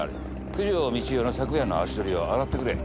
九条美千代の昨夜の足取りを洗ってくれ。